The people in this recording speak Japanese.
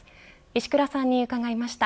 石倉さんに伺いました。